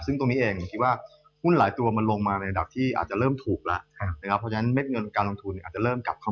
ซึ่งตรงนี้เองผมคิดว่าหุ้นหลายตัวมันลงมาในระดับที่อาจจะเริ่มถูกแล้วนะครับ